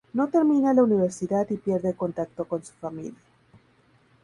No termina la universidad y pierde contacto con su familia.